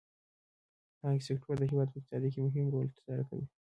بانکي سکتور د هېواد په اقتصاد کې مهم رول تر سره کوي.